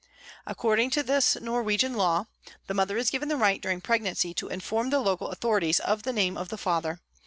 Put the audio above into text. According to this Norwegian law, the mother is given the right during pregnancy to inform the local authori ties of the name of the father.